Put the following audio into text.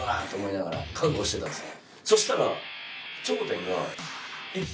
そしたら。